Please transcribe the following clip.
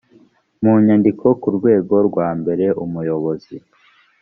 mu nyandiko ku rwego rwa mbere umuyobozi